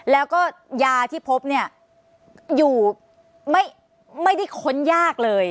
แล้วก็ยาที่พบเนี่ยอยู่ไม่ได้ค้นยากเลย